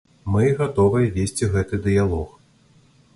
Мы гатовыя весці гэты дыялог.